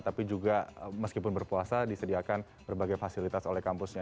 tapi juga meskipun berpuasa disediakan berbagai fasilitas oleh kampusnya